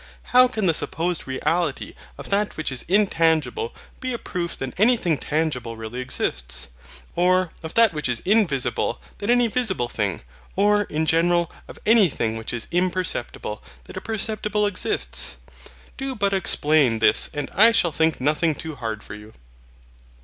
How can the supposed reality of that which is intangible be a proof that anything tangible really exists? Or, of that which is invisible, that any visible thing, or, in general of anything which is imperceptible, that a perceptible exists? Do but explain this and I shall think nothing too hard for you.